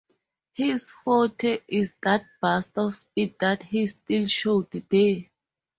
His forte is that burst of speed that he still showed there.